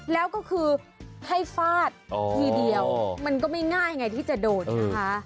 แล้วก็คือให้ฟาดทีเดียวมันก็ไม่ง่ายไงที่จะโดนนะคะ